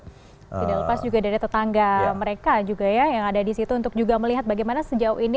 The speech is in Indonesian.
tidak lepas juga dari tetangga mereka juga ya yang ada di situ untuk juga melihat bagaimana sejauh ini